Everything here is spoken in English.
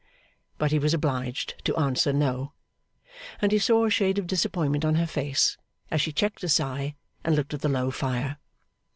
But he was obliged to answer No; and he saw a shade of disappointment on her face, as she checked a sigh, and looked at the low fire.